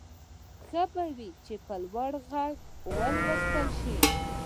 ښه به وي چې په لوړ غږ ولوستل شي.